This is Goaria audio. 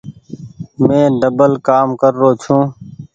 مين ڊبل ڪآم ڪر رو ڇون ۔